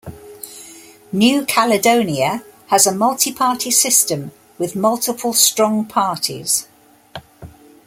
New Caledonia has a multi-party system, with multiple strong parties.